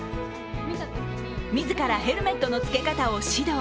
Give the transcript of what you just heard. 自らヘルメットの着け方を指導。